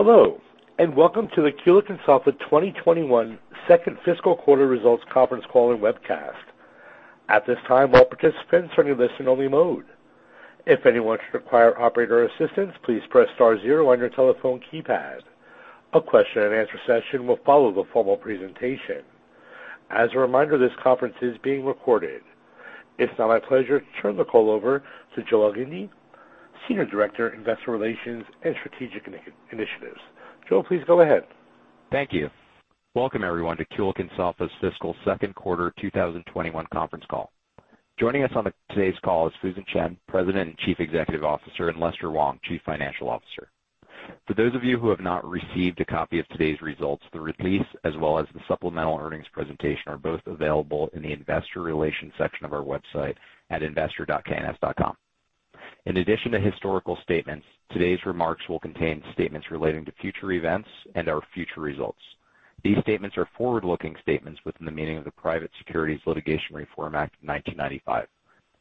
Hello, and welcome to the Kulicke and Soffa 2021 Second Fiscal Quarter Results Conference Call and Webcast. At this time, all participants are in listen only mode. If anyone should require operator assistance, please press star zero on your telephone keypad. A question-and-answer session will follow the formal presentation. As a reminder, this conference is being recorded. It's now my pleasure to turn the call over to Joe Elgindy, Senior Director, Investor Relations and Strategic Initiatives. Joe, please go ahead. Thank you. Welcome everyone to Kulicke and Soffa Fiscal Second Quarter 2021 Conference Call. Joining us on today's call is Fusen Chen, President and Chief Executive Officer, and Lester Wong, Chief Financial Officer. For those of you who have not received a copy of today's results, the release as well as the supplemental earnings presentation are both available in the investor relations section of our website at investor.kns.com. In addition to historical statements, today's remarks will contain statements relating to future events and our future results. These statements are forward-looking statements within the meaning of the Private Securities Litigation Reform Act of 1995.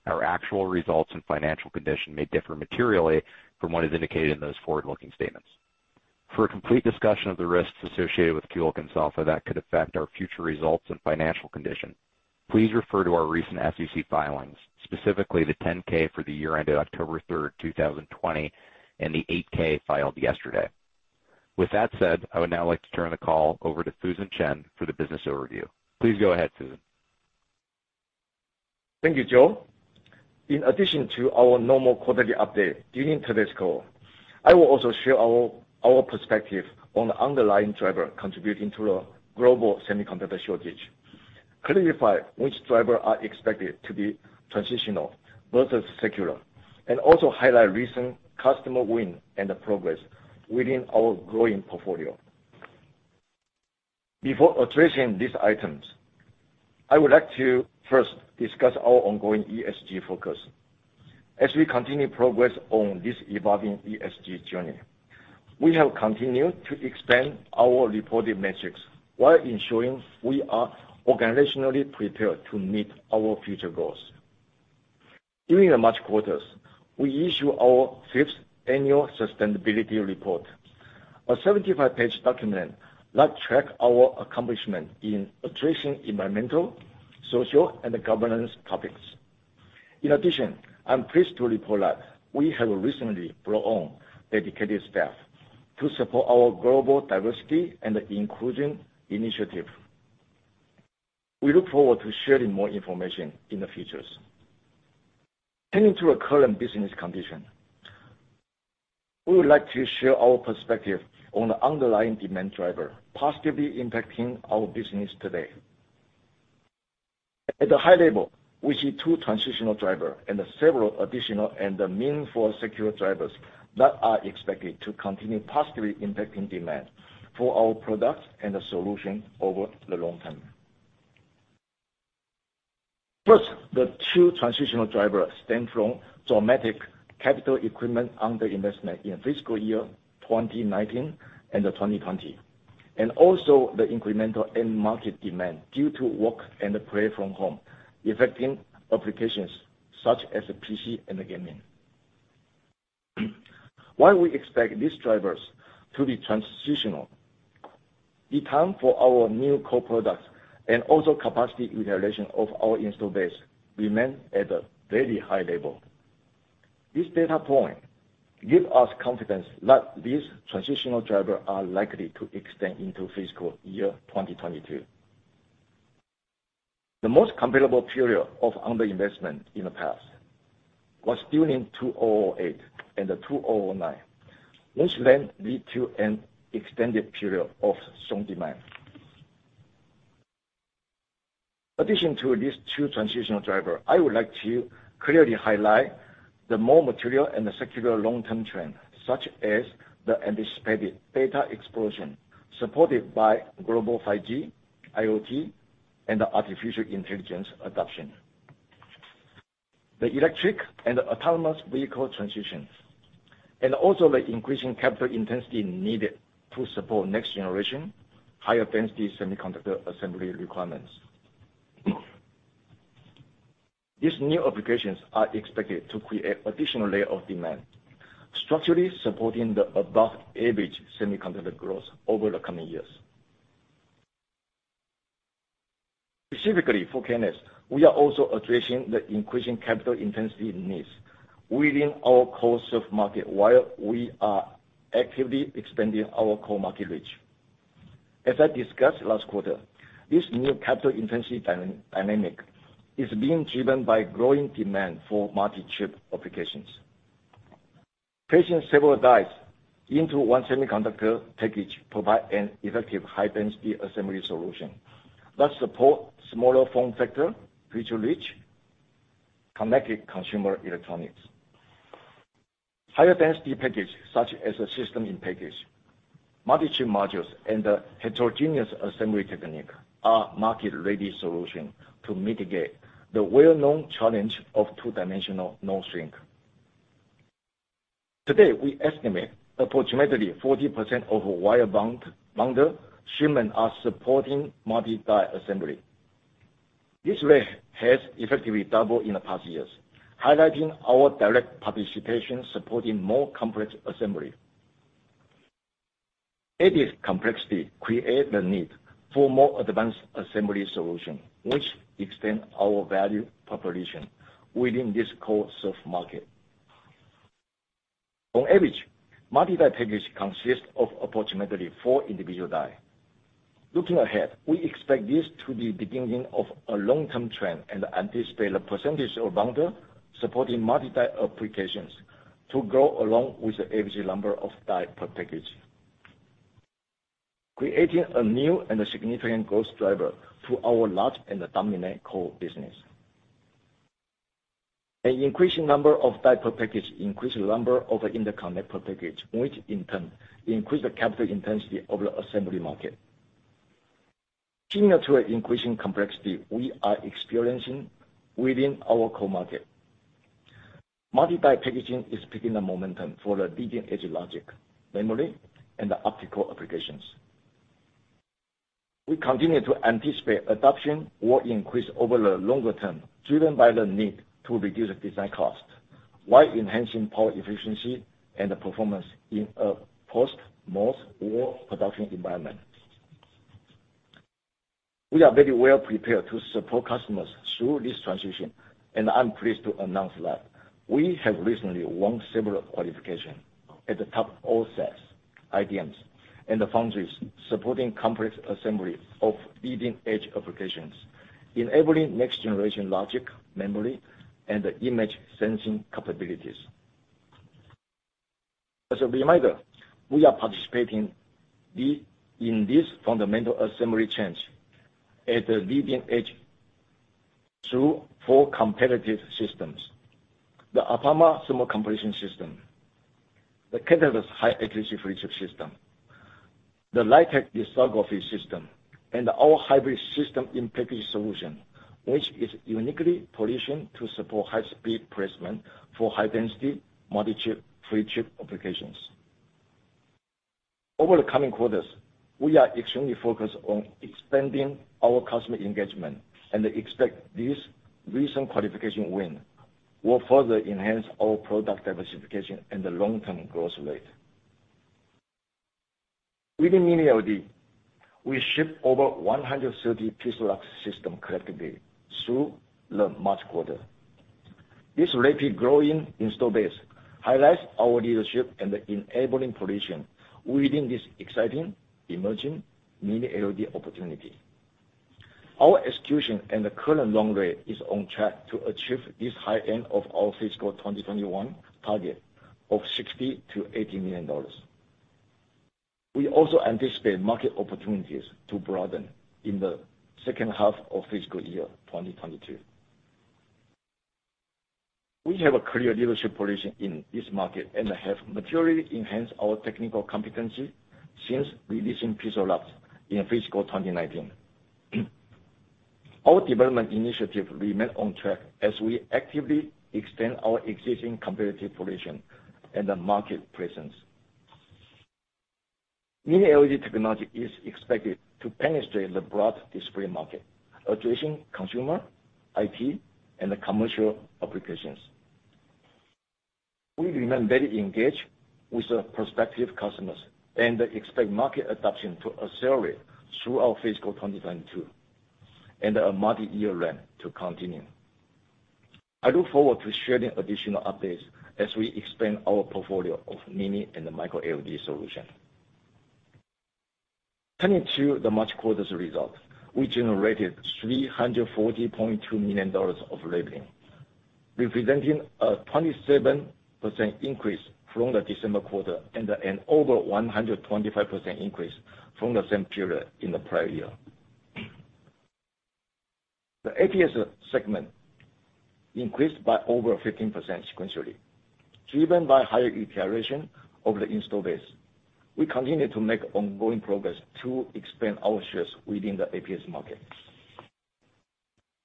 Our actual results and financial condition may differ materially from what is indicated in those forward-looking statements. For a complete discussion of the risks associated with Kulicke and Soffa that could affect our future results and financial condition, please refer to our recent SEC filings, specifically the 10-K for the year ended October 3rd, 2020, and the 8-K filed yesterday. With that said, I would now like to turn the call over to Fusen Chen for the business overview. Please go ahead, Fusen. Thank you, Joe. In addition to our normal quarterly update during today's call, I will also share our perspective on the underlying drivers contributing to the global semiconductor shortage, clarify which drivers are expected to be transitional versus secular, and also highlight recent customer wins and progress within our growing portfolio. Before addressing these items, I would like to first discuss our ongoing ESG focus. As we continue progress on this evolving ESG journey, we have continued to expand our reported metrics while ensuring we are organizationally prepared to meet our future goals. During the March quarter, we issued our fifth annual sustainability report, a 75-page document that tracks our accomplishments in addressing environmental, social, and governance topics. In addition, I am pleased to report that we have recently brought on dedicated staff to support our global Diversity and Inclusion initiative. We look forward to sharing more information in the future. Turning to our current business condition, we would like to share our perspective on the underlying demand driver positively impacting our business today. At a high level, we see two transitional drivers and several additional and meaningful secular drivers that are expected to continue positively impacting demand for our products and solutions over the long term. The two transitional drivers stem from dramatic capital equipment underinvestment in fiscal year 2019 and 2020, and also the incremental end market demand due to work and play from home, affecting applications such as PC and gaming. While we expect these drivers to be transitional, demand for our new core products and also capacity utilization of our installed base remain at a very high level. This data point gives us confidence that these transitional drivers are likely to extend into fiscal year 2022. The most comparable period of underinvestment in the past was during 2008 and 2009, which then led to an extended period of strong demand. Addition to these two transitional driver, I would like to clearly highlight the more material and the secular long-term trend, such as the anticipated data explosion supported by global 5G, IoT, and the artificial intelligence adoption. The electric and autonomous vehicle transitions, also the increasing capital intensity needed to support next generation, higher density semiconductor assembly requirements. These new applications are expected to create additional layer of demand, structurally supporting the above average semiconductor growth over the coming years. Specifically for K&S, we are also addressing the increasing capital intensity needs within our core server market while we are actively expanding our core market reach. As I discussed last quarter, this new capital intensity dynamic is being driven by growing demand for multi-chip applications. Placing several dies into one semiconductor package provide an effective high-density assembly solution that support smaller form factor, feature-rich, connected consumer electronics. Higher density packages such as a System in Package, multi-chip modules, and a heterogeneous assembly technique are market-ready solution to mitigate the well-known challenge of two-dimensional node shrink. Today, we estimate approximately 40% of wire bond bonder shipments are supporting multi-die assembly. This rate has effectively doubled in the past years, highlighting our direct participation supporting more complex assembly. Added complexity create the need for more advanced assembly solution, which extend our value proposition within this core surface market. On average, multi-die package consist of approximately four individual die. Looking ahead, we expect this to be beginning of a long-term trend and anticipate a percentage of bonder supporting multi-die applications to grow along with the average number of die per package, creating a new and a significant growth driver to our large and dominant core business. An increasing number of die per package increase the number of interconnect per package, which in turn increase the capital intensity of the assembly market. Similar to increasing complexity we are experiencing within our core market. Multi-die packaging is picking the momentum for the leading-edge logic, memory, and optical applications. We continue to anticipate adoption will increase over the longer term, driven by the need to reduce design cost, while enhancing power efficiency and the performance in a post-Moore's Law production environment. We are very well prepared to support customers through this transition. I'm pleased to announce that we have recently won several qualification at the top OSATs, IDMs, and the foundries supporting complex assembly of leading-edge applications, enabling next-generation logic, memory, and image sensing capabilities. As a reminder, we are participating in this fundamental assembly change at the leading-edge through four competitive systems. The APAMA thermo-compression system, the Katalyst high-accuracy flip-chip system, the LITEQ lithography system, and our hybrid system-in-package solution, which is uniquely positioned to support high-speed placement for high-density multi-chip, 3D chip applications. Over the coming quarters, we are extremely focused on expanding our customer engagement. Expect this recent qualification win will further enhance our product diversification and the long-term growth rate. Within Mini-LED, we ship over 130 PIXALUX system collectively through the March quarter. This rapidly growing install base highlights our leadership and the enabling position within this exciting, emerging Mini-LED opportunity. Our execution and the current run rate is on track to achieve this high end of our fiscal 2021 target of $60 million-$80 million. We also anticipate market opportunities to broaden in the second half of fiscal year 2022. We have a clear leadership position in this market and have materially enhanced our technical competency since releasing PIXALUX in fiscal 2019. Our development initiative remain on track as we actively extend our existing competitive position and the market presence. Mini-LED technology is expected to penetrate the broad display market, addressing consumer, IT, and the commercial applications. We remain very engaged with the prospective customers and expect market adoption to accelerate through our fiscal 2022, and a multi-year ramp to continue. I look forward to sharing additional updates as we expand our portfolio of Mini-LED and the MicroLED solution. Turning to the March quarter's result, we generated $340.2 million of revenue, representing a 27% increase from the December quarter and an over 125% increase from the same period in the prior year. The APS segment increased by over 15% sequentially, driven by higher utilization of the install base. We continue to make ongoing progress to expand our shares within the APS market.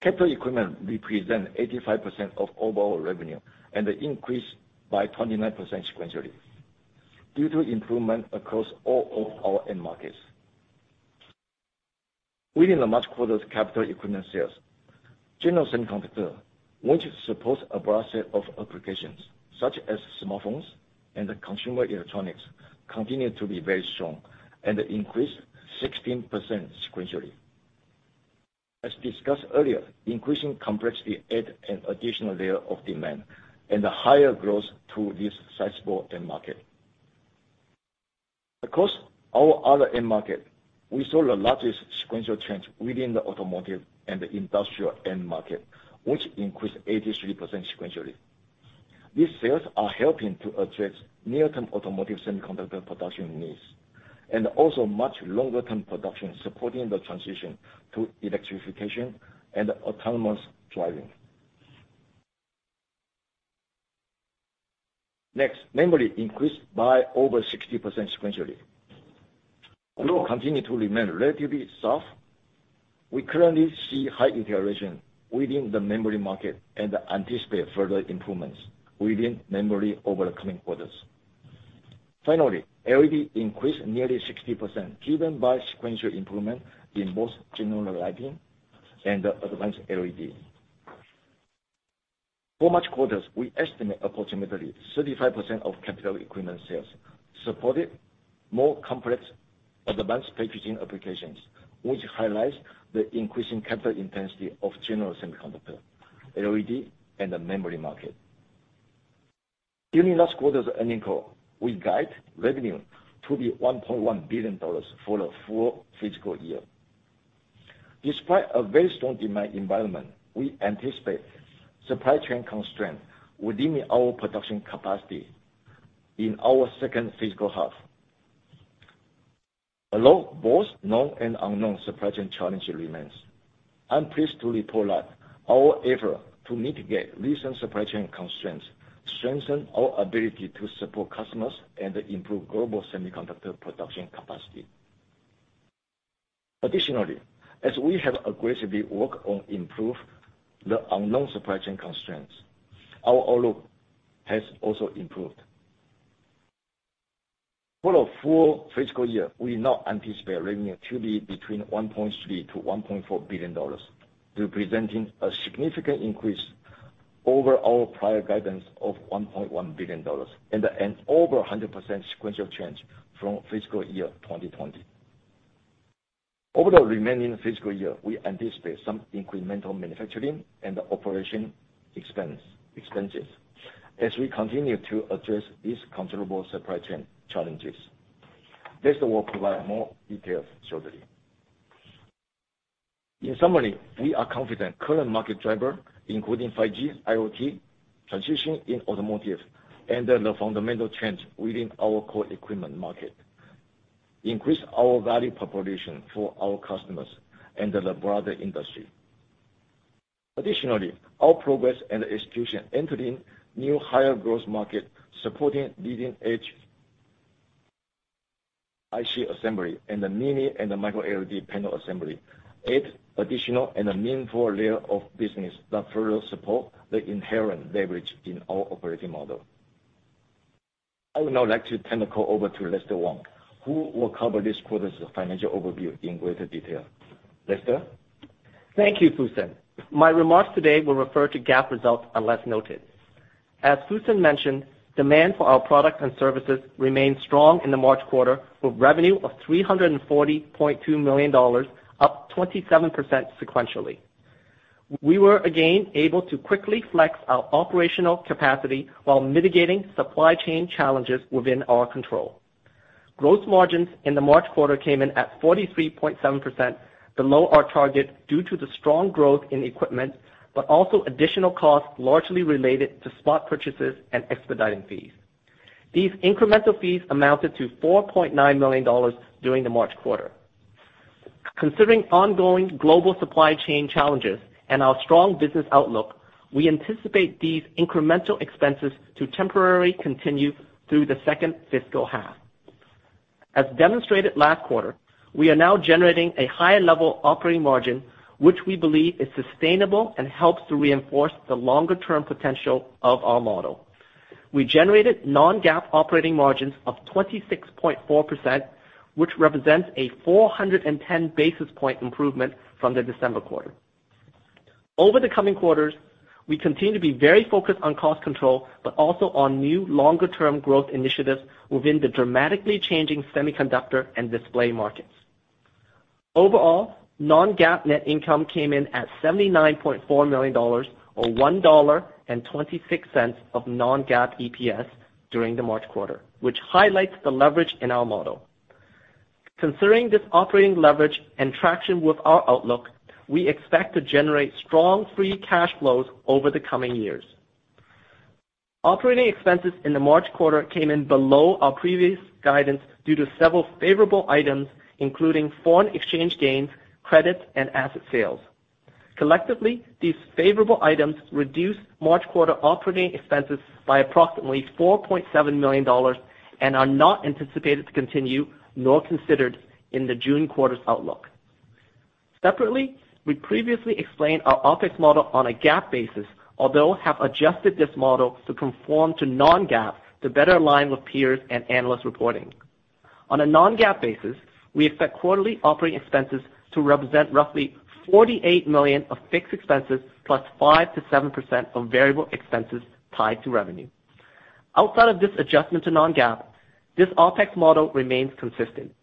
Capital equipment represent 85% of overall revenue, and increased by 29% sequentially due to improvement across all of our end markets. Within the March quarter's capital equipment sales, general semiconductor, which supports a broad set of applications such as smartphones and consumer electronics, continue to be very strong and increased 16% sequentially. As discussed earlier, increasing complexity add an additional layer of demand and a higher growth to this sizable end market. Across our other end market, we saw the largest sequential change within the automotive and the industrial end market, which increased 83% sequentially. These sales are helping to address near-term automotive semiconductor production needs, and also much longer-term production supporting the transition to electrification and autonomous driving. Memory increased by over 60% sequentially. Growth continued to remain relatively soft. We currently see high utilization within the memory market and anticipate further improvements within memory over the coming quarters. LED increased nearly 60%, driven by sequential improvement in both general lighting and advanced LED. For March quarters, we estimate approximately 35% of capital equipment sales supported more complex advanced packaging applications, which highlights the increasing capital intensity of general semiconductor, LED, and the memory market. During last quarter's earnings call, we guide revenue to be $1.1 billion for the full fiscal year. Despite a very strong demand environment, we anticipate supply chain constraint will limit our production capacity in our second fiscal half. Although both known and unknown supply chain challenge remains, I'm pleased to report that our effort to mitigate recent supply chain constraints strengthen our ability to support customers and improve global semiconductor production capacity. Additionally, as we have aggressively worked on improve the unknown supply chain constraints, our outlook has also improved. For the full fiscal year, we now anticipate revenue to be between $1.3 billion-$1.4 billion, representing a significant increase over our prior guidance of $1.1 billion and an over 100% sequential change from fiscal year 2020. Over the remaining fiscal year, we anticipate some incremental manufacturing and operation expenses as we continue to address these considerable supply chain challenges. Lester will provide more details shortly. In summary, we are confident current market driver, including 5G, IoT, transition in automotive, and the fundamental change within our core equipment market, increase our value proposition for our customers and the broader industry. Additionally, our progress and execution entering new higher growth market supporting leading edge IC assembly and the Mini-LED and the MicroLED panel assembly adds additional and a meaningful layer of business that further support the inherent leverage in our operating model. I would now like to turn the call over to Lester Wong, who will cover this quarter's financial overview in greater detail. Lester? Thank you, Fusen. My remarks today will refer to GAAP results unless noted. As Fusen mentioned, demand for our products and services remained strong in the March quarter with revenue of $340.2 million, up 27% sequentially. We were again able to quickly flex our operational capacity while mitigating supply chain challenges within our control. Gross margins in the March quarter came in at 43.7%, below our target due to the strong growth in equipment, but also additional costs largely related to spot purchases and expediting fees. These incremental fees amounted to $4.9 million during the March quarter. Considering ongoing global supply chain challenges and our strong business outlook, we anticipate these incremental expenses to temporarily continue through the second fiscal half. As demonstrated last quarter, we are now generating a higher level operating margin, which we believe is sustainable and helps to reinforce the longer-term potential of our model. We generated non-GAAP operating margins of 26.4%, which represents a 410 basis point improvement from the December quarter. Over the coming quarters, we continue to be very focused on cost control, but also on new longer-term growth initiatives within the dramatically changing semiconductor and display markets. Overall, non-GAAP net income came in at $79.4 million or $1.26 of non-GAAP EPS during the March quarter, which highlights the leverage in our model. Considering this operating leverage and traction with our outlook, we expect to generate strong free cash flows over the coming years. Operating expenses in the March quarter came in below our previous guidance due to several favorable items, including foreign exchange gains, credits, and asset sales. Collectively, these favorable items reduced March quarter operating expenses by approximately $4.7 million and are not anticipated to continue nor considered in the June quarter's outlook. Separately, we previously explained our OpEx model on a GAAP basis, although have adjusted this model to conform to non-GAAP to better align with peers and analyst reporting. On a non-GAAP basis, we expect quarterly operating expenses to represent roughly $48 million of fixed expenses plus 5%-7% of variable expenses tied to revenue. Outside of this adjustment to non-GAAP, this OpEx model remains consistent.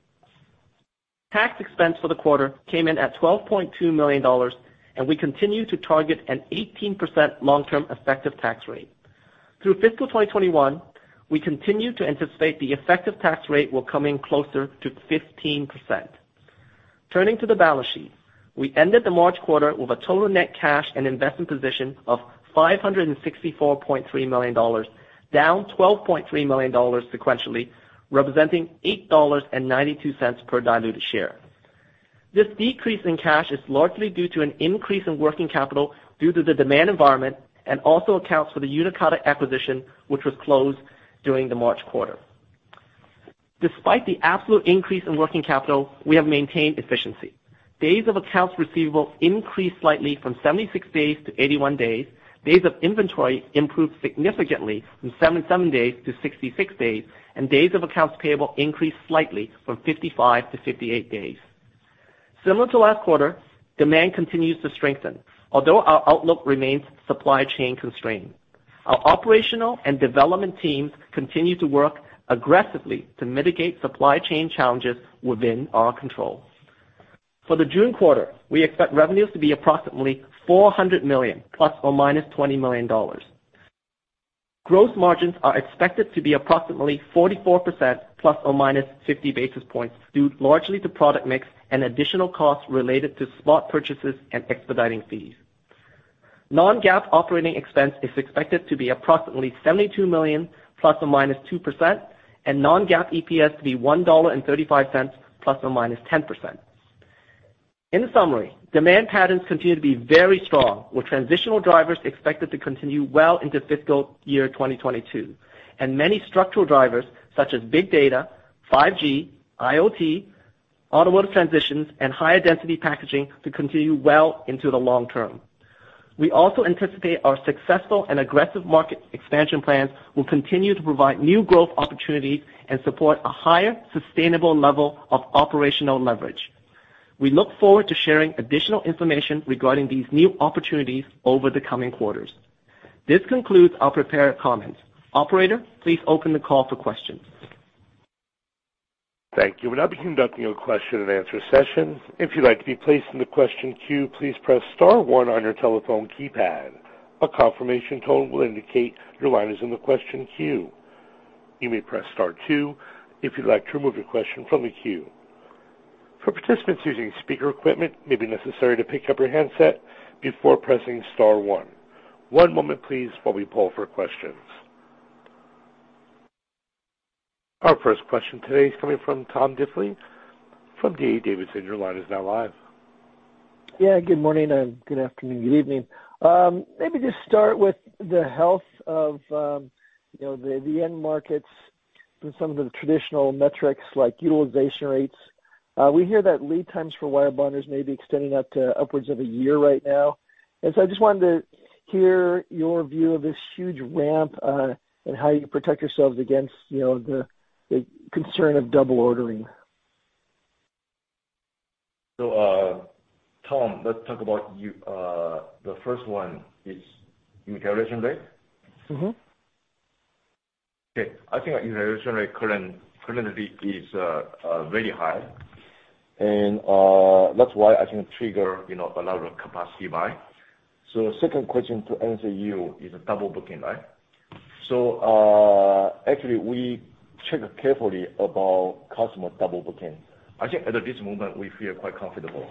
Tax expense for the quarter came in at $12.2 million, and we continue to target an 18% long-term effective tax rate. Through fiscal 2021, we continue to anticipate the effective tax rate will come in closer to 15%. Turning to the balance sheet. We ended the March quarter with a total net cash and investment position of $564.3 million, down $12.3 million sequentially, representing $8.92 per diluted share. This decrease in cash is largely due to an increase in working capital due to the demand environment and also accounts for the Uniqarta acquisition, which was closed during the March quarter. Despite the absolute increase in working capital, we have maintained efficiency. Days of accounts receivable increased slightly from 76 days to 81 days. Days of inventory improved significantly from 77 days to 66 days. Days of accounts payable increased slightly from 55 to 58 days. Similar to last quarter, demand continues to strengthen, although our outlook remains supply chain constrained. Our operational and development teams continue to work aggressively to mitigate supply chain challenges within our control. For the June quarter, we expect revenues to be approximately $400 million ± $20 million. Gross margins are expected to be approximately 44%, plus or minus 50 basis points, due largely to product mix and additional costs related to spot purchases and expediting fees. Non-GAAP operating expense is expected to be approximately $72 million, ±2%, and non-GAAP EPS to be $1.35, ±10%. In summary, demand patterns continue to be very strong, with transitional drivers expected to continue well into fiscal year 2022, and many structural drivers such as big data, 5G, IoT, automotive transitions, and higher density packaging to continue well into the long term. We also anticipate our successful and aggressive market expansion plans will continue to provide new growth opportunities and support a higher, sustainable level of operational leverage. We look forward to sharing additional information regarding these new opportunities over the coming quarters. This concludes our prepared comments. Operator, please open the call for questions. Thank you. We'll now be conducting a question-and-answer session. If you'd like to be placed in the question queue, please press star one on your telephone keypad. A confirmation tone will indicate your line is in the question queue. You may press star two if you'd like to remove your question from the queue. For participants using speaker equipment, it may be necessary to pick up your handset before pressing star one. One moment please while we poll for questions. Our first question today is coming from Tom Diffely from D.A. Davidson, your line is now live. Yeah. Good morning, good afternoon, good evening. Maybe just start with the health of the end markets and some of the traditional metrics like utilization rates. We hear that lead times for wire bonders may be extending out to upwards of a year right now. I just wanted to hear your view of this huge ramp, and how you protect yourselves against the concern of double ordering. Tom, let's talk about the first one, is utilization rate? Okay. I think our utilization rate currently is very high, and that's why I think it trigger a lot of capacity buy. Second question to answer you is double booking, right? Actually we check carefully about customer double booking. I think at this moment we feel quite comfortable.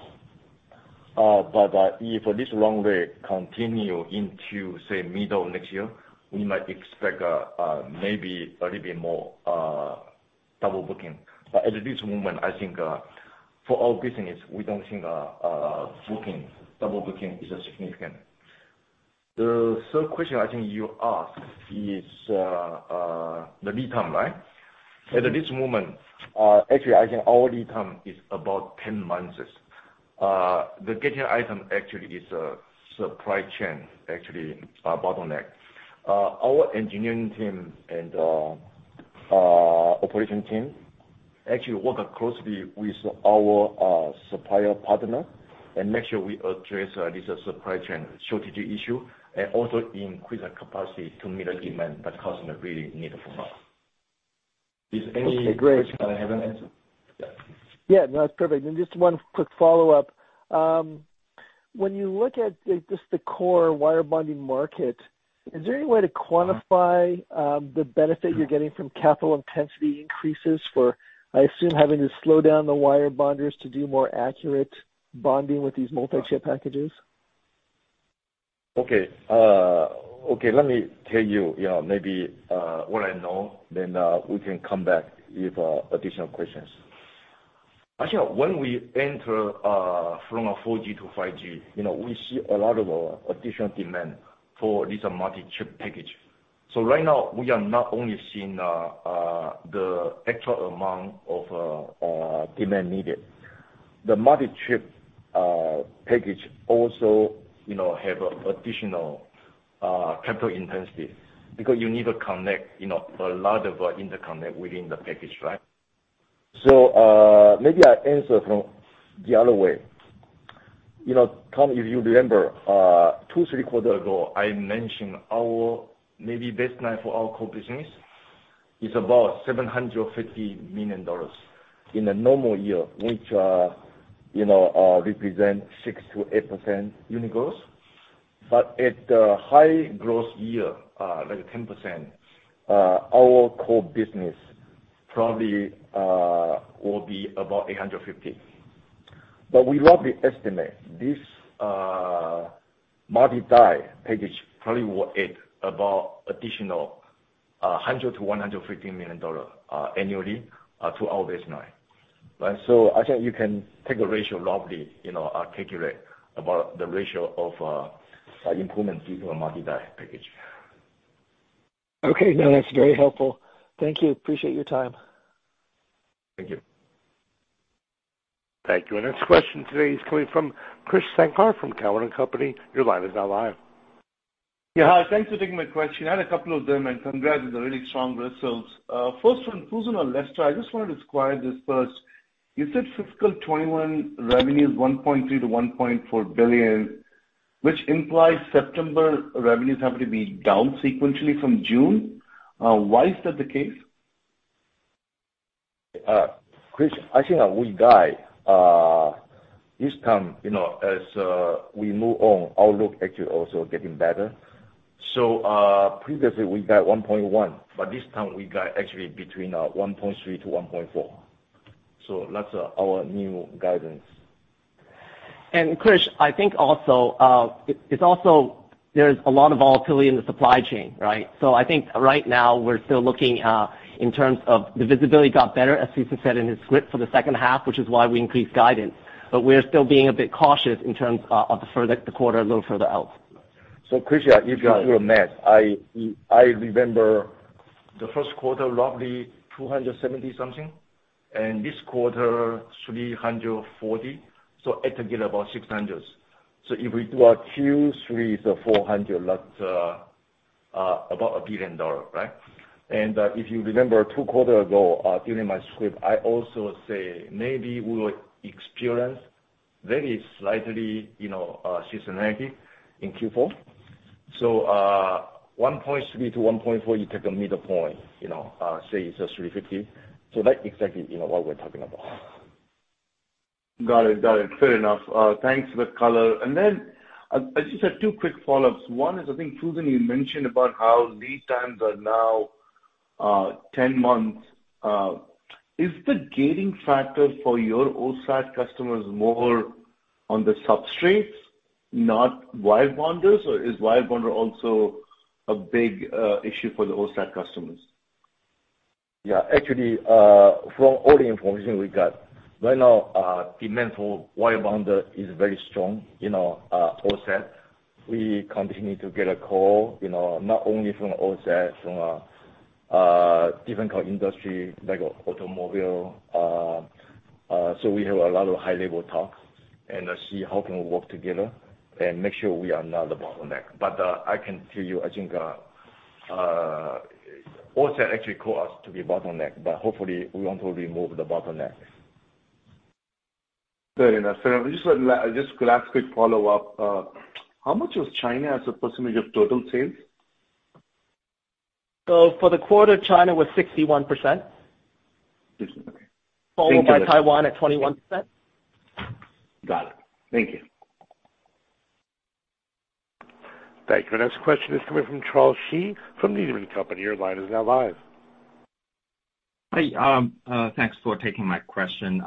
If this long wait continue into, say, middle of next year, we might expect maybe a little bit more double booking. At this moment, I think, for our business, we don't think double booking is significant. The third question I think you ask is, the lead time, right? At this moment, actually, I think our lead time is about 10 months. The gating item actually is supply chain bottleneck. Our engineering team and operation team actually work closely with our supplier partner and make sure we address this supply chain shortage issue and also increase our capacity to meet the demand that customer really need from us. Is any question I haven't answered? Okay, great. Yeah. Yeah, no, that's perfect. Just one quick follow-up. When you look at just the core wire bonding market, is there any way to quantify the benefit you're getting from capital intensity increases for, I assume, having to slow down the wire bonders to do more accurate bonding with these multi-chip packages? Okay. Let me tell you maybe what I know. We can come back if additional questions. Actually, when we enter from a 4G to 5G, we see a lot of additional demand for this multi-chip package. Right now we are not only seeing the actual amount of demand needed. The multi-chip package also have additional capital intensity because you need to connect a lot of interconnect within the package, right? Maybe I answer from the other way. Tom, if you remember, two, three quarters ago, I mentioned our maybe baseline for our core business is about $750 million in a normal year, which represent 6%-8% unit growth. At the high growth year, like 10%, our core business probably will be about $850 million. We roughly estimate this multi-die package probably will add about additional $100 million-$115 million annually to our baseline, right? I think you can take a ratio roughly, articulate about the ratio of improvement due to a multi-die package. Okay. No, that's very helpful. Thank you. Appreciate your time. Thank you. Thank you. Our next question today is coming from Krish Sankar from Cowen & Company. Your line is now live. Yeah. Hi. Thanks for taking my question. I had a couple of them, and congrats on the really strong results. First one, Fusen or Lester, I just wanted to inquire this first. You said fiscal 2021 revenue is $1.3 billion-$1.4 billion, which implies September revenues have to be down sequentially from June. Why is that the case? Krish, I think that we guide, this time as we move on, outlook actually also getting better. Previously we got $1.1, but this time we got actually between $1.3-$1.4. That's our new guidance. Krish, I think also, there's a lot of volatility in the supply chain, right? I think right now we're still looking in terms of the visibility got better, as Fusen said in his script for the second half, which is why we increased guidance. We are still being a bit cautious in terms of the quarter a little further out. Krish, if you do a math, I remember the first quarter, roughly $270 something, and this quarter, $340. Altogether about $600. If we do our Q3, $400, that's about $1 billion, right? If you remember two quarter ago, during my script, I also say, maybe we will experience very slightly seasonality in Q4. One point three to one point four, you take a middle point, say it's a $350. That's exactly what we're talking about. Got it. Fair enough. Thanks for the color. I just have two quick follow-ups. One is, I think, Fusen, you mentioned about how lead times are now 10 months. Is the gating factor for your OSAT customers more on the substrates, not wirebonds, or is wirebond also a big issue for the OSAT customers? Yeah. Actually, from all the information we got, right now, demand for wire bond is very strong in our OSAT. We continue to get a call, not only from OSAT, from different kind industry like automobile. We have a lot of high-level talks and see how can we work together and make sure we are not the bottleneck. I can tell you, I think, OSAT actually call us to be bottleneck, but hopefully we want to remove the bottleneck. Fair enough. Just last quick follow-up. How much was China as a percent of total sales? For the quarter, China was 61%. 61%. Okay. Followed by Taiwan at 21%. Got it. Thank you. Thank you. Our next question is coming from Charles Shi from Needham & Company. Your line is now live. Hi. Thanks for taking my question.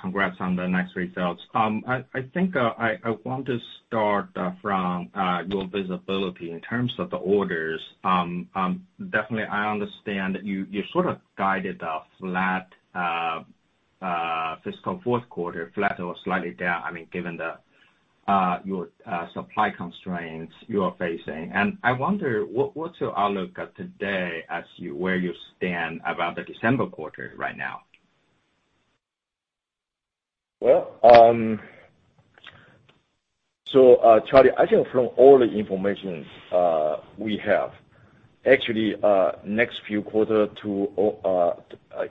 Congrats on the nice results. I think, I want to start from your visibility in terms of the orders. Definitely, I understand you sort of guided a flat fiscal fourth quarter, flat or slightly down, given your supply constraints you are facing. I wonder, what's your outlook today as where you stand about the December quarter right now? Well. Charles, I think from all the information we have, actually, next few quarters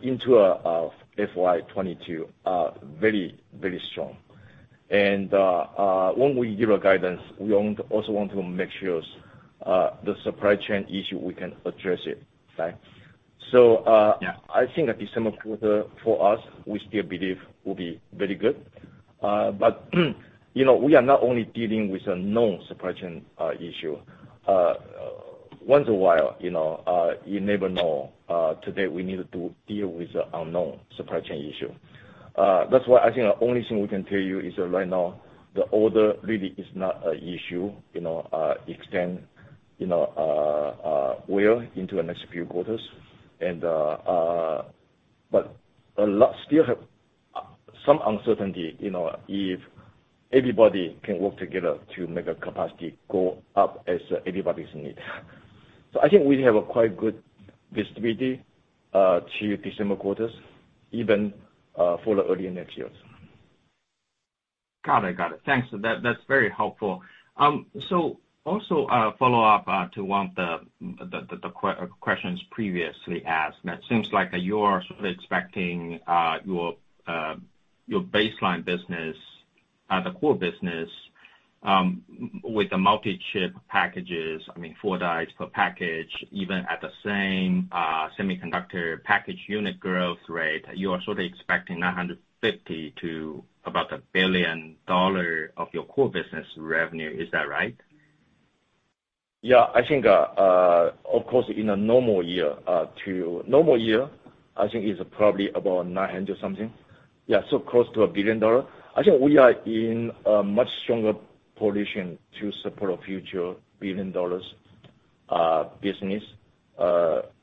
into FY 2022 are very, very strong. When we give a guidance, we also want to make sure the supply chain issue, we can address it. Right? Yeah I think December quarter for both of us, we still believe will be very good. We are not only dealing with a known supply chain issue. Once in a while, you never know. Today, we need to deal with the unknown supply chain issue. That's why I think the only thing we can tell you is that right now the order really is not a issue, extend well into the next few quarters. A lot still have some uncertainty, if everybody can work together to make the capacity go up as everybody's need. I think we have a quite good visibility to December quarters, even for early next year. Got it. Thanks. That's very helpful. Also a follow-up to one of the questions previously asked. Now, it seems like you are sort of expecting your baseline business, the core business, with the multi-chip packages, four dies per package, even at the same semiconductor package unit growth rate. You are sort of expecting $950 million to about $1 billion of your core business revenue. Is that right? Yeah, I think, of course, in a normal year, I think it's probably about $900 something. Close to a $1 billion. I think we are in a much stronger position to support a future $1 billion-business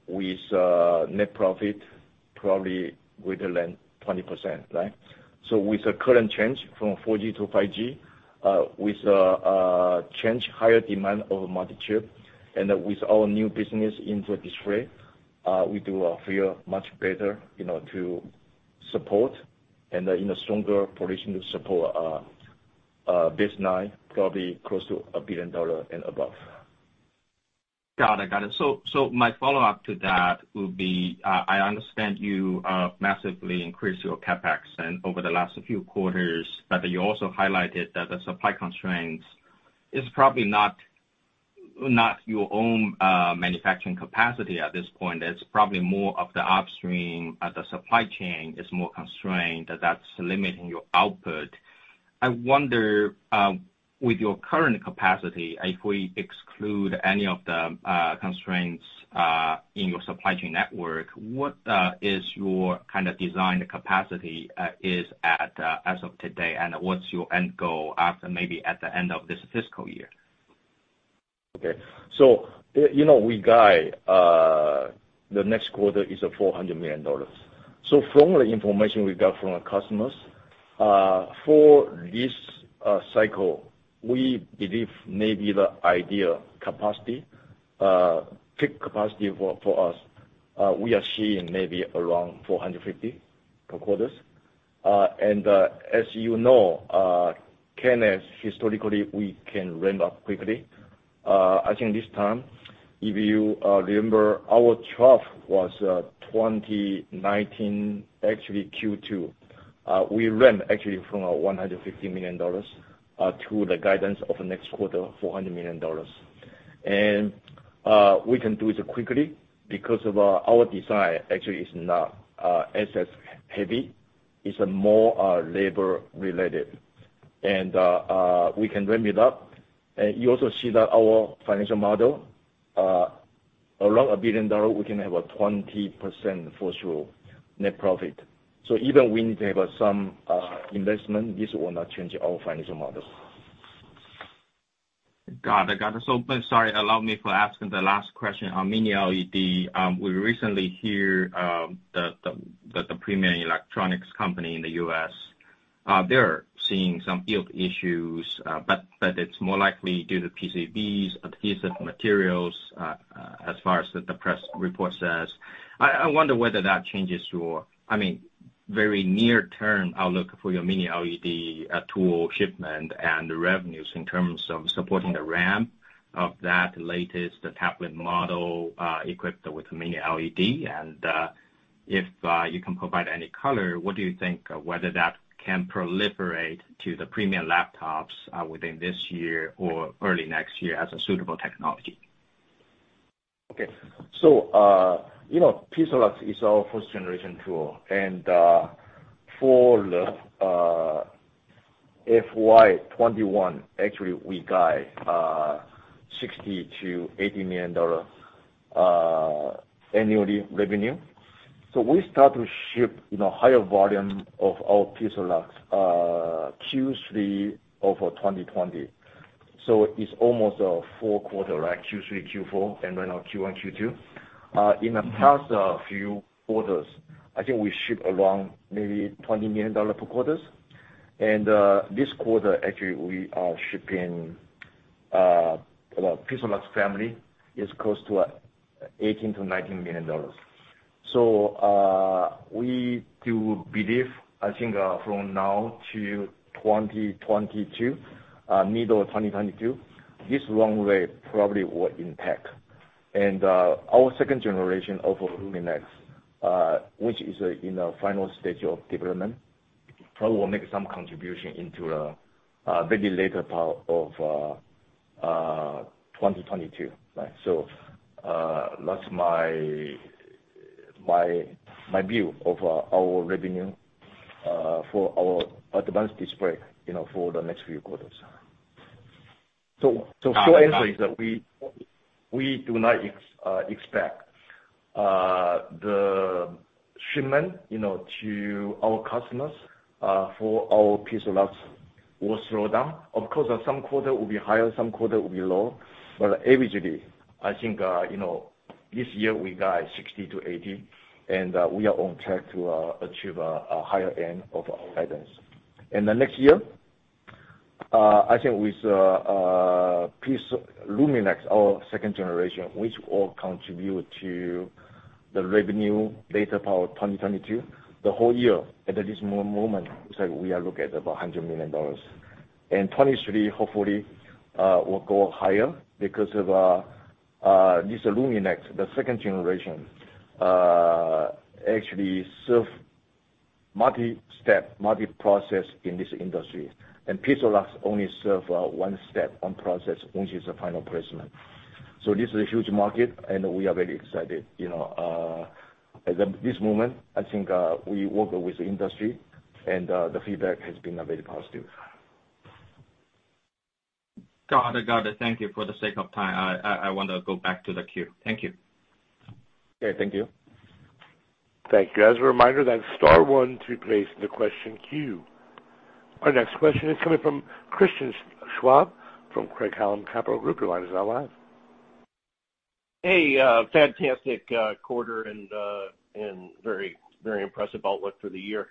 with net profit probably greater than 20%, right? With the current change from 4G to 5G, with a change higher demand of multi-chip, and with our new business into display, we do feel much better to support and are in a stronger position to support baseline, probably close to $1 billion and above. Got it. My follow-up to that would be, I understand you massively increased your CapEx and over the last few quarters, but you also highlighted that the supply constraints is probably not your own manufacturing capacity at this point. It's probably more of the upstream, at the supply chain is more constrained, that's limiting your output. I wonder, with your current capacity, if we exclude any of the constraints in your supply chain network, what is your kind of design capacity is at, as of today, and what's your end goal after maybe at the end of this fiscal year? Okay. We guide the next quarter is $400 million. From the information we got from the customers, for this cycle, we believe maybe the ideal capacity, peak capacity for us, we are seeing maybe around 450 per quarter. As you know, K&S, historically, we can ramp up quickly. I think this time, if you remember, our trough was 2019, actually Q2. We ramped actually from $150 million to the guidance of the next quarter, $400 million. We can do it quickly because of our design actually is not asset heavy, it's more labor related. We can ramp it up. You also see that our financial model, around $1 billion, we can have a 20% for sure net profit. Even we need to have some investment, this will not change our financial model. Got it. Sorry, allow me for asking the last question on Mini-LED. We recently hear that the premium electronics company in the U.S., they're seeing some yield issues. It's more likely due to PCBs, adhesive materials, as far as the press report says. I wonder whether that changes your very near term outlook for your Mini-LED tool shipment and revenues in terms of supporting the ramp of that latest tablet model equipped with Mini-LED. If you can provide any color, what do you think whether that can proliferate to the premium laptops, within this year or early next year as a suitable technology? Okay. PIXALUX is our first generation tool. For the FY 2021, actually, we guide $60 million-$80 million annually revenue. We start to ship higher volume of our PIXALUX, Q3 of 2020. It's almost a four quarter, like Q3, Q4, and then now Q1, Q2. In the past few quarters, I think we ship around maybe $20 million per quarters. This quarter, actually, we are shipping PIXALUX family is close to $18 million-$19 million. We do believe, I think from now to 2022, middle of 2022, this long wave probably will impact. Our second generation of LUMINEX, which is in the final stage of development, probably will make some contribution into the maybe later part of 2022. Right. That's my view of our revenue, for our advanced display for the next few quarters. The short answer is that we do not expect the shipment to our customers, for our PIXALUX will slow down. Of course, some quarter will be higher, some quarter will be low. Averagely, I think, this year we guide $60 million-$80 million, and we are on track to achieve a higher end of our guidance. In the next year, I think with LUMINEX, our second generation, which all contribute to the revenue data part 2022. The whole year, at this moment, looks like we are looking at over $100 million. 2023, hopefully, will go higher because of this LUMINEX, the second generation, actually serve multi-step, multi-process in this industry. PIXALUX only serve one step, one process, which is the final placement. This is a huge market, and we are very excited. At this moment, I think, we work with the industry, and the feedback has been very positive. Got it. Thank you for the sake of time. I want to go back to the queue. Thank you. Okay. Thank you. Thank you. As a reminder, that's star one to be placed in the question queue. Our next question is coming from Christian Schwab from Craig-Hallum Capital Group. Your line is now live. Hey, fantastic quarter and very impressive outlook for the year.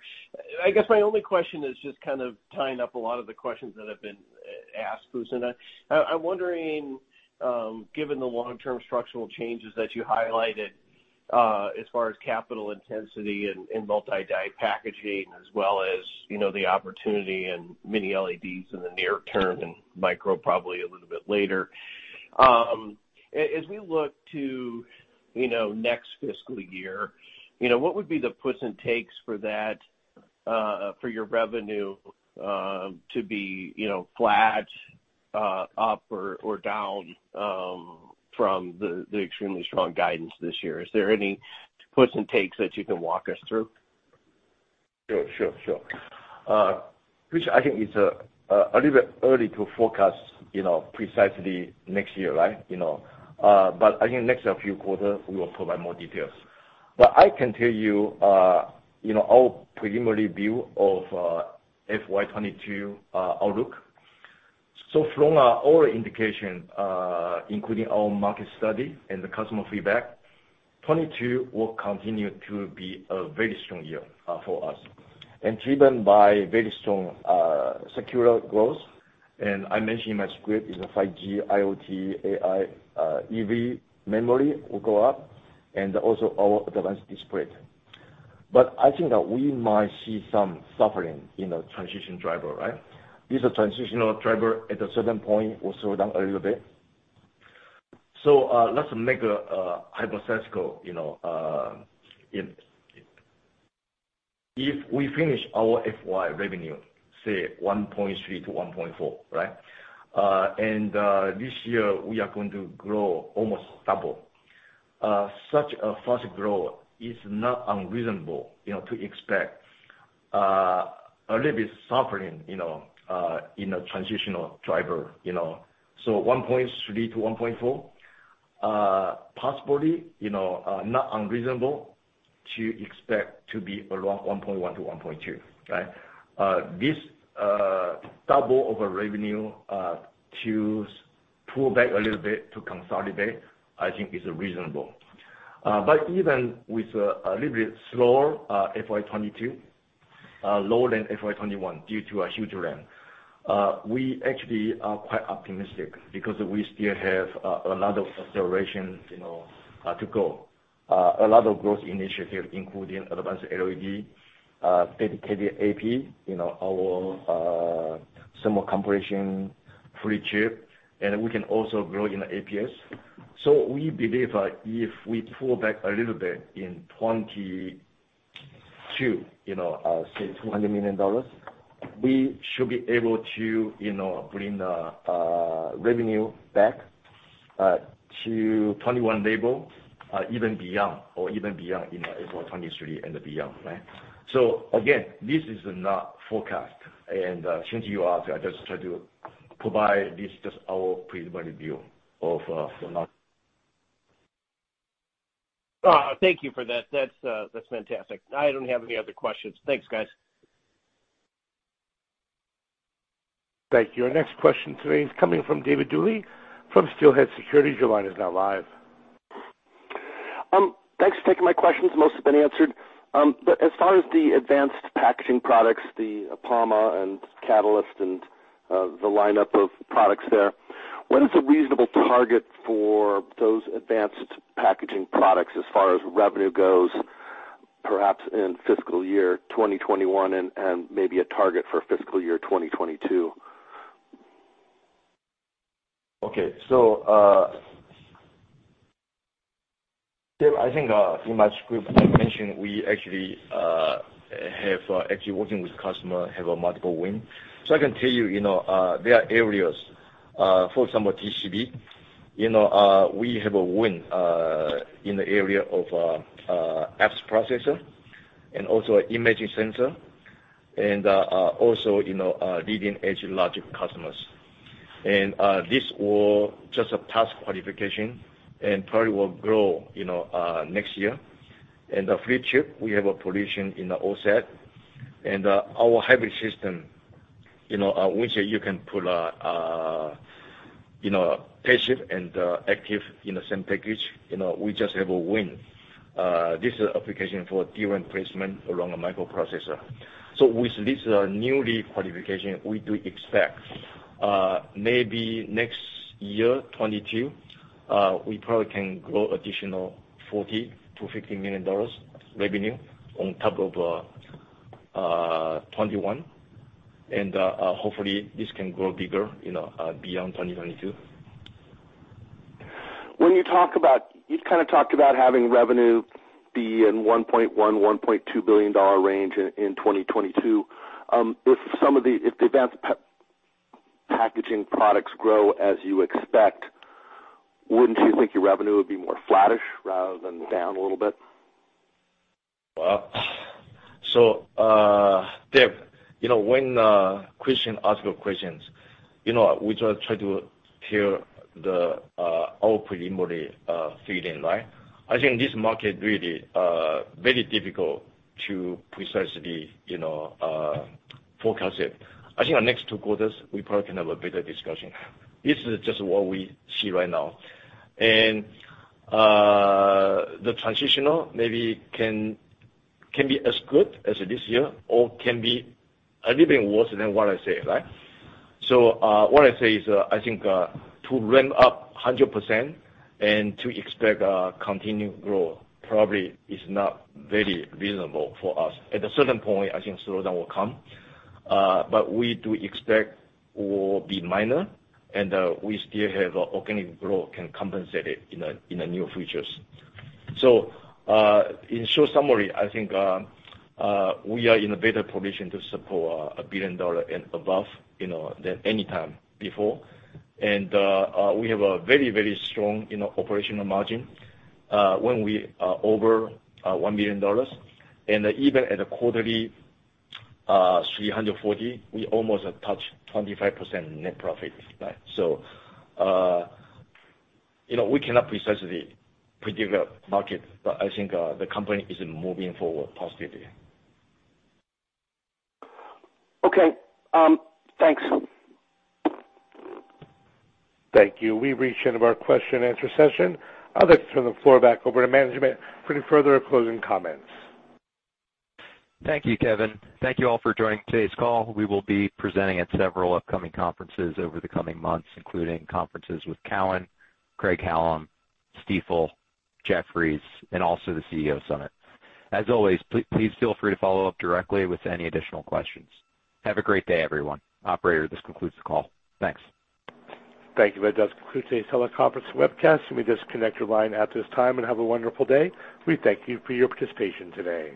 I guess my only question is just kind of tying up a lot of the questions that have been asked, Fusen. I'm wondering, given the long-term structural changes that you highlighted as far as capital intensity and multi-die packaging, as well as the opportunity and Mini-LEDs in the near term and MicroLED probably a little bit later. As we look to next fiscal year, what would be the puts and takes for your revenue to be flat, up, or down from the extremely strong guidance this year? Is there any puts and takes that you can walk us through? Sure. Christian, I think it's a little bit early to forecast precisely next year, right? I think next few quarter, we will provide more details. I can tell you our preliminary view of FY 2022 outlook. From all indication, including our market study and the customer feedback, 2022 will continue to be a very strong year for us, and driven by very strong secular growth. I mentioned in my script, is a 5G, IoT, AI, EV memory will go up, and also our advanced display. I think that we might see some suffering in the transition driver, right? This transitional driver at a certain point will slow down a little bit. Let's make a hypothetical. If we finish our FY revenue, say $1.3-$1.4, right? This year we are going to grow almost double. Such a fast growth is not unreasonable to expect a little bit suffering in a transitional driver. 1.3 to 1.4, possibly not unreasonable to expect to be around 1.1 to 1.2, right? This double of a revenue to pull back a little bit to consolidate, I think is reasonable. Even with a little bit slower FY 2022, lower than FY 2021 due to a huge ramp. We actually are quite optimistic because we still have a lot of acceleration to go. A lot of growth initiatives including advanced LED, dedicated AP, our thermo-compression, 3D chip, and we can also grow in the APS. We believe if we pull back a little bit in 2022, say $200 million, we should be able to bring the revenue back to 2021 level, even beyond, or even beyond in FY 2023 and beyond, right? Again, this is not forecast. Since you asked, I just try to provide this, just our preliminary view of. Thank you for that. That's fantastic. I don't have any other questions. Thanks, guys. Thank you. Our next question today is coming from David Duley from Steelhead Securities. Your line is now live. Thanks for taking my questions. Most have been answered. As far as the advanced packaging products, the APAMA and Katalyst, and the lineup of products there, what is a reasonable target for those advanced packaging products as far as revenue goes, perhaps in fiscal year 2021 and maybe a target for fiscal year 2022? Okay. David, I think, in my script I mentioned we actually working with customer, have a multiple win. I can tell you there are areas, for example, TCB. We have a win in the area of apps processor and also imaging sensor and also leading edge logic customers. This was just a task qualification and probably will grow next year. 3D chip, we have a position in the OSAT. Our hybrid system, which you can put a passive and active in the same package, we just have a win. This is application for D-RAM placement around a microprocessor. With this new lead qualification, we do expect, maybe next year, 2022, we probably can grow additional $40 million to $50 million revenue on top of 2021. Hopefully this can grow bigger beyond 2022. You've kind of talked about having revenue be in $1.1 billion-$1.2 billion range in 2022. If the advanced packaging products grow as you expect, wouldn't you think your revenue would be more flattish rather than down a little bit? David, when Christian ask you questions, we just try to hear our preliminary feeling, right? This market really very difficult to precisely forecast it. Our next two quarters, we probably can have a better discussion. This is just what we see right now. The transitional maybe can be as good as this year or can be a little bit worse than what I say, right? What I say is, I think to ramp up 100% and to expect continued growth probably is not very reasonable for us. At a certain point, I think slowdown will come. We do expect will be minor, and we still have organic growth can compensate it in the near futures. In short summary, I think we are in a better position to support a billion dollar and above, than any time before. We have a very strong operational margin when we are over $1 million. Even at a quarterly $340, we almost touch 25% net profit. We cannot precisely predict the market, but I think the company is moving forward positively. Okay. Thanks. Thank you. We've reached the end of our question-and-answer session. I'd like to turn the floor back over to management for any further closing comments. Thank you, Kevin. Thank you all for joining today's call. We will be presenting at several upcoming conferences over the coming months, including conferences with Cowen, Craig-Hallum, Stifel, Jefferies, and also the CEO Summit. As always, please feel free to follow up directly with any additional questions. Have a great day, everyone. Operator, this concludes the call. Thanks. Thank you. That does conclude today's teleconference webcast. You may disconnect your line at this time, and have a wonderful day. We thank you for your participation today.